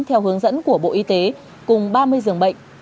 theo hướng dẫn của bộ y tế cùng ba mươi giường bệnh